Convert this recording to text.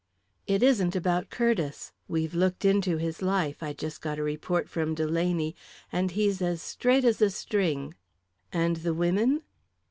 "It isn't about Curtiss. We've looked into his life I just got a report from Delaney and he's as straight as a string." "And the women?"